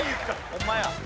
ホンマや。